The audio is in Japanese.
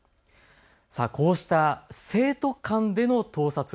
こうした生徒間での盗撮。